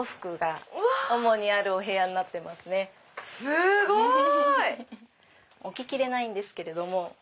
すごい！置ききれないんですけれども。